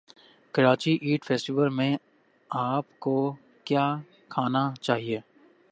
Karachi eat festival میں اپ کو کیا کھانا چاہیے